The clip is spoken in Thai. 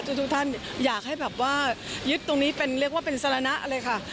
ทุกท่านอยากให้แบบว่ายึดตรงนี้เป็นเรียกว่าเป็นสรณะเลยค่ะ